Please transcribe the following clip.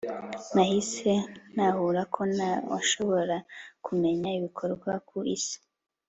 nahise ntahura ko nta washobora kumenya ibikorerwa ku isi